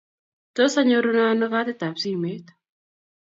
Tos anyorune ano katitab simet?